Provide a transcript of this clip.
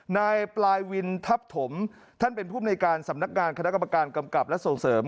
นายปลายวินทัพถมท่านเป็นภูมิในการสำนักงานคณะกรรมการกำกับและส่งเสริม